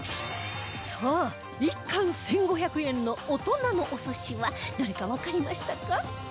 さあ１貫１５００円の大人のお寿司はどれかわかりましたか？